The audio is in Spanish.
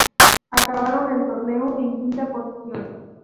Acabaron el torneo en quinta posición.